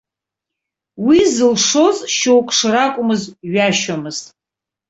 Уи зылшоз шьоук шракәмыз ҩашьомызт.